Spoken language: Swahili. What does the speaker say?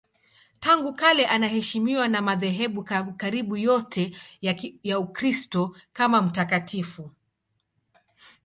Tangu kale anaheshimiwa na madhehebu karibu yote ya Ukristo kama mtakatifu.